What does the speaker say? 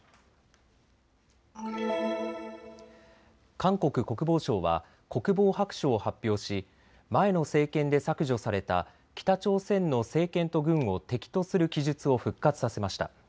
韓国国防省は国防白書を発表し前の政権で削除された北朝鮮の政権と軍を敵とする記述を復活させました。